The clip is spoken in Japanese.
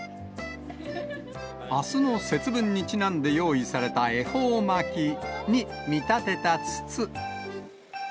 あすの節分にちなんで用意された恵方巻きに見立てた筒。